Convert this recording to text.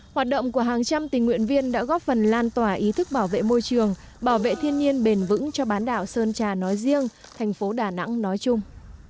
hoạt động của hàng trăm tình nguyện viên đã góp phần lan tỏa ý thức bảo vệ môi trường bảo vệ thiên nhiên bền vững cho bán đảo sơn trà nói riêng thành phố đà nẵng nói chung